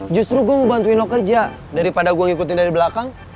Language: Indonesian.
justru gue mau bantuin lo kerja daripada gue ngikutin dari belakang